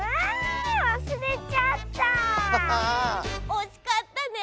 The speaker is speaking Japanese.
おしかったね。